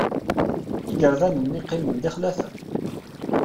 Igerdan-nni qqimen d ixlafen.